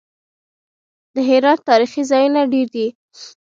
د هرات تاریخي ځایونه ډیر دي